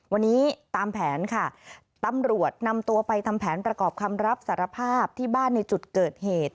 วันนี้ตามแผนค่ะตำรวจนำตัวไปทำแผนประกอบคำรับสารภาพที่บ้านในจุดเกิดเหตุ